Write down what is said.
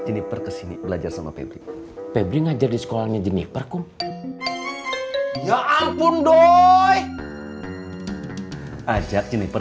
jeniper kesini belajar sama pimpin pimpin aja di sekolahnya jeniper kum ya ampun doi ajak jeniper